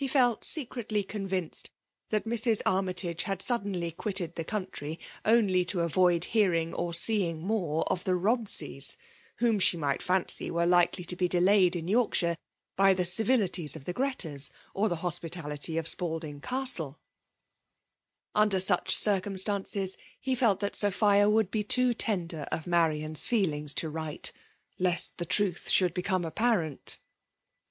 felt secretly convinced that Mrs.. Anny.tage had, suddenly quitted the country only to av9i4 hearing or seeing more of the Sobseys^ whom she might fancy were likely to be delayed in Yorkshire by the civilities of the Gretas, or the hospitality of Spalding Castle ; under such circumstances, he felt that Sophia would be too tender of Marian's feelings to write,— ^ lest the truth should become apparent.